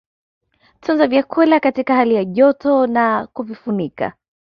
Tunza vyakula katika hali ya joto na kuvifunika